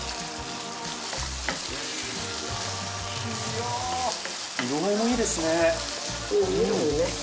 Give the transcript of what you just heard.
いや色合いもいいですね。